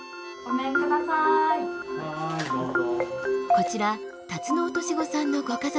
こちらタツノオトシゴさんのご家族。